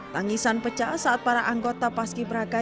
tangisan pecah saat para anggota paski beraka